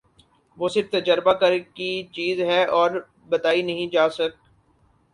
وہ صرف تجربہ کر کی چیز ہے اور بتائی نہیں جاسک